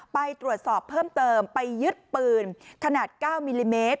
ไปตรวจสอบเพิ่มเติมไปยึดปืนขนาด๙มิลลิเมตร